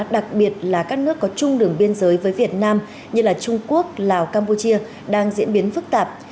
đặc biệt là các nước có chung đường biên giới với việt nam như trung quốc lào campuchia đang diễn biến phức tạp